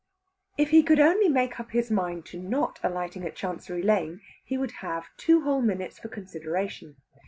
If he could only make up his mind to not alighting at Chancery Lane, he would have two whole minutes for consideration.